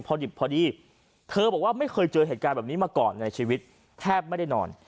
พอดิบพอดีเธอบอกว่าไม่เคยเจอเหตุการณ์แบบนี้มาก่อนในชีวิตแทบไม่ได้นอน